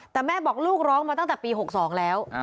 แต่แม่บอกลูกร้องมาตั้งแต่ปี๖๒แล้ว